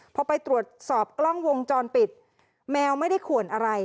พอไปตรวจสอบกล้องวงจรปิดแมวไม่ได้ขวนอะไร